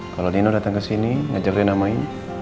kalo dino dateng kesini ngajarin namanya